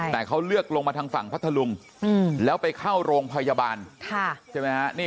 แต่เขาเลือกลงมาทางฝั่งพัทธลุงแล้วไปเข้าโรงพยาบาลใช่ไหมฮะ